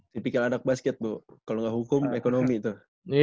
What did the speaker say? tipikal anak basket bu kalau nggak hukum ekonomi tuh